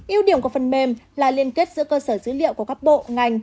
yêu điểm của phân mêm là liên kết giữa cơ sở dữ liệu của các bộ ngành